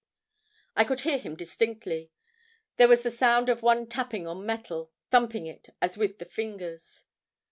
I could hear him distinctly. There was the sound of one tapping on metal, thumping it, as with the fingers."